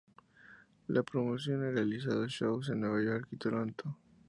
La promoción ha realizado shows en Nueva York y Toronto.